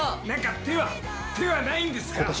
何か手は手はないんですか？